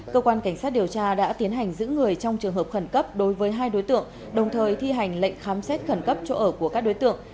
cơ quan cảnh sát điều tra đã tiến hành giữ người trong trường hợp khẩn cấp đối với hai đối tượng đồng thời thi hành lệnh khám xét khẩn cấp chỗ ở của các đối tượng